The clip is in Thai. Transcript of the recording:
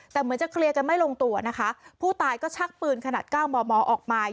แต่เหมือนจะเคลียร์กันไม่ลงตัวนะคะผู้ตายก็ชักปืนขนาดเก้ามอมอออกมา